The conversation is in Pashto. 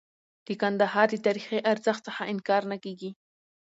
د کندهار د تاریخي ارزښت څخه انکار نه کيږي.